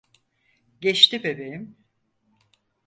Geçti bebeğim.